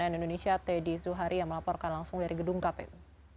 verdi dan sarah